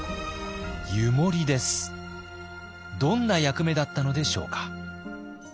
どんな役目だったのでしょうか。